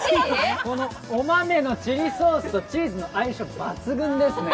このお豆のチリソースとチーズの相性抜群ですね。